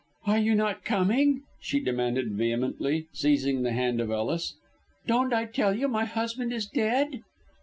"Are you not coming?" she demanded vehemently, seizing the hand of Ellis. "Don't I tell you my husband is dead!"